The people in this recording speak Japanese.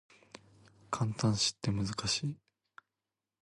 感嘆詞って難しい